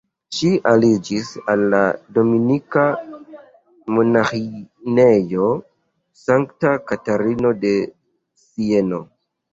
Ŝi aliĝis al la Dominika monaĥinejo Sankta Katarino de Sieno.